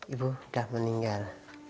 ibu sudah meninggal